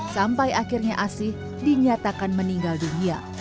sampai akhirnya asih dinyatakan meninggal dunia